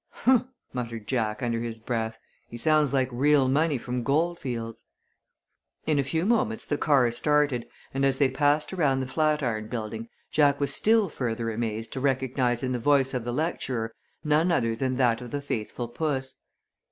"Humph!" muttered Jack under his breath. "He sounds like real money from Goldfields." In a few moments the car started, and as they passed around the Flatiron Building Jack was still further amazed to recognize in the voice of the lecturer none other than that of the faithful puss.